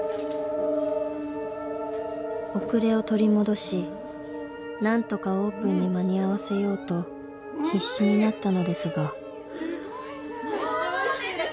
［遅れを取り戻し何とかオープンに間に合わせようと必死になったのですが］